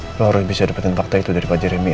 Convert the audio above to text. ayo al lo harus bisa dapetin fakta itu dari pak jeremy ya